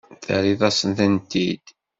Terriḍ-asent-tent-id.